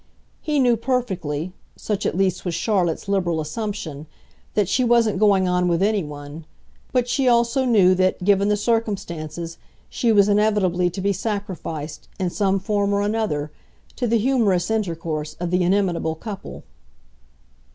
He knew perfectly such at least was Charlotte's liberal assumption that she wasn't going on with anyone, but she also knew that, given the circumstances, she was inevitably to be sacrificed, in some form or another, to the humorous intercourse of the inimitable couple.